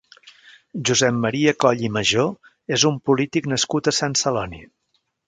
Josep Maria Coll i Majó és un polític nascut a Sant Celoni.